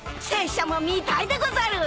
拙者も見たいでござる！